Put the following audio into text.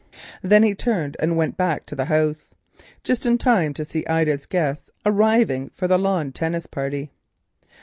Then he turned and went back to the house, just in time to see Ida's guests arriving for the lawn tennis party.